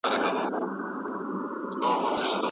ټولنیز واقعیتونه په فرد تحمیل کېږي.